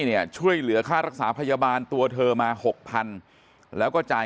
เนี่ยช่วยเหลือค่ารักษาพยาบาลตัวเธอมาหกพันแล้วก็จ่าย